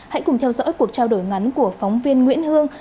hãy cùng theo dõi cuộc trao đổi ngắn của phóng viên nguyễn hương